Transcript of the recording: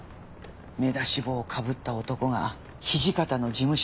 目出し帽をかぶった男が土方の事務所